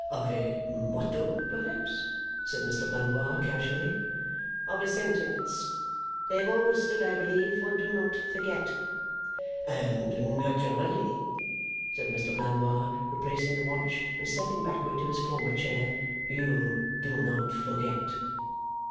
'Of a motto, perhaps,' said Mr Blandois, casually. 'Of a sentence. They have always stood, I believe, for Do Not Forget!' 'And naturally,' said Mr Blandois, replacing the watch and stepping backward to his former chair, 'you do not forget.